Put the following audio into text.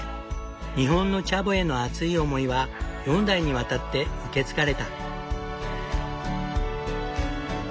日本のチャボへの熱い思いは４代にわたって受け継がれた。